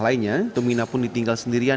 lainnya tumina pun ditinggal sendirian